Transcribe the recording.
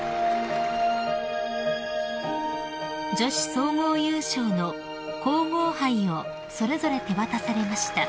［女子総合優勝の皇后杯をそれぞれ手渡されました］